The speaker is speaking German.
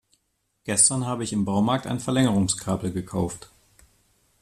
Gestern habe ich im Baumarkt ein Verlängerungskabel gekauft.